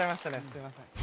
すいません